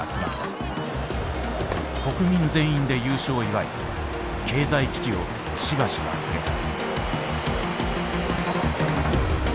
国民全員で優勝を祝い経済危機をしばし忘れた。